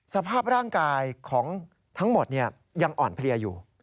สภาพร่างกายของทั้งหมดยังอ่อนเพลียอยู่